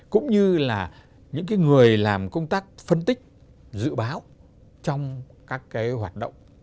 cũng như là những người làm công tác phân tích dự báo trong các cái hoạt động